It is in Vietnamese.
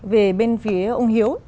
về bên phía ông hiếu